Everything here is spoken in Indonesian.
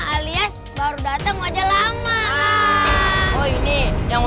ini fakta kamu kelebihan ini